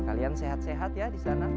kalian sehat sehat ya di sana